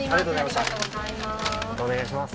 またお願いします。